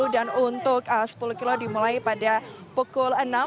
dan untuk sepuluh km dimulai pada pukul enam